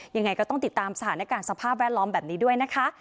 ยังไงก็ต้องติดตามสถานการณ์สภาพแวดล้อมแบบนี้ด้วยนะคะ